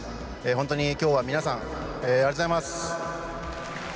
本当にきょうは皆さん、ありがとうございます。